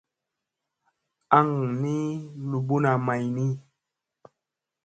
Aŋ ni luɓuna may ni.